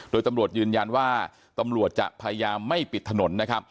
โดยตำรวจยืนยันว่าตำรวจจะพยายามไม่ปิดถนนนะครับ